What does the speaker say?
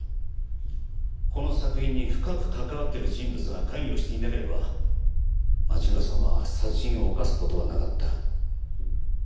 この作品に深く関わっている人物が関与していなければ町村さんは殺人を犯す事はなかった。